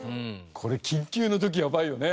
これ緊急の時やばいよね。